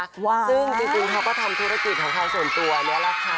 ซึ่งจริงเขาก็ทำธุรกิจของเขาส่วนตัวนี่แหละค่ะ